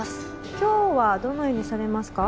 今日はどのようにされますか？